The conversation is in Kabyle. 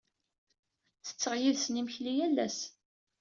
Ttetteɣ yid-sen imekli yal ass.